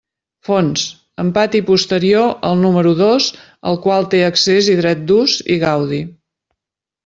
Fons: amb pati posterior al número dos al qual té accés i dret d'ús i gaudi.